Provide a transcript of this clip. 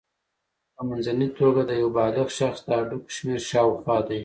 په منځنۍ توګه د یو بالغ شخص د هډوکو شمېر شاوخوا دی.